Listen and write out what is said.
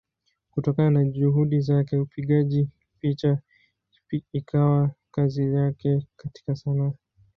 Kutokana na Juhudi zake upigaji picha ukawa kazi yake katika Sanaa.